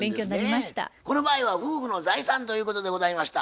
この場合は夫婦の財産ということでございました。